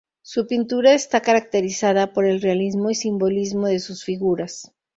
Su pintura está caracterizada por el realismo y simbolismo de sus figuras.